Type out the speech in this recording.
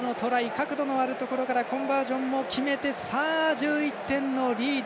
角度のあるところからコンバージョンも決めて１１点のリード。